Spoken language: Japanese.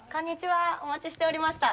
お待ちしておりました。